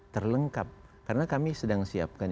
terlengkap karena kami sedang siapkan